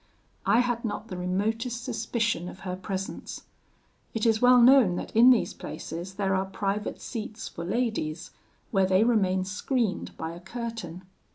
"I had not the remotest suspicion of her presence. It is well known that in these places there are private seats for ladies, where they remain screened by a curtain.